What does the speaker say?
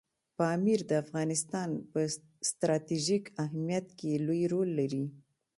پامیر د افغانستان په ستراتیژیک اهمیت کې لوی رول لري.